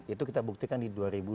itu kita buktikan di dua ribu dua puluh